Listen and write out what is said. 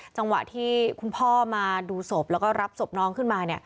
จังหวะที่คุณพ่อมาดูศพแล้วก็รับศพน้องขึ้นมา